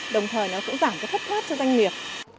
đồng thời nó cũng giảm cái thất thoát cho doanh nghiệp